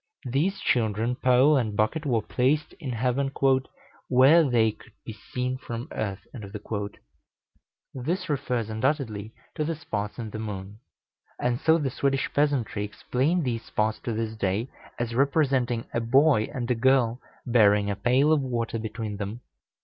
These children, pole, and bucket were placed in heaven, "where they could be seen from earth." This refers undoubtedly to the spots in the moon; and so the Swedish peasantry explain these spots to this day, as representing a boy and a girl bearing a pail of water between them.